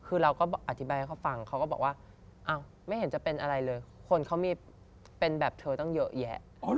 คือเราก็อธิบายให้เขาฟังเขาก็บอกว่าอ้าวไม่เห็นจะเป็นอะไรเลยคนเขามีเป็นแบบเธอตั้งเยอะแยะ